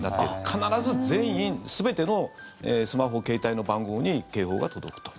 必ず、全員全てのスマホ、携帯の番号に警報が届くと。